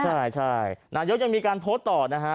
ใช่นายกยังมีการโพสต์ต่อนะฮะ